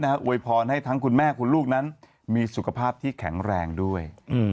อวยพรให้ทั้งคุณแม่คุณลูกนั้นมีสุขภาพที่แข็งแรงด้วย